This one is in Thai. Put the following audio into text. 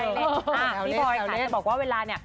พี่บอยค่ะจะบอกว่าเวลาเนี่ย